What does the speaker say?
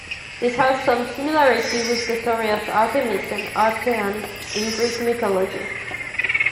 This has some similarity with the story of Artemis and Actaeon in Greek mythology.